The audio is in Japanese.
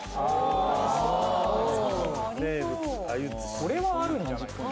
これはあるんじゃないかな